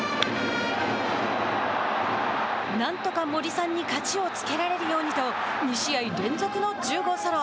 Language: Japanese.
なんとか森さんに勝ちをつけられるようにと２試合連続の１０号ソロ。